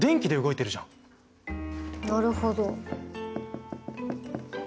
なるほど。